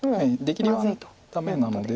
出切りはダメなので。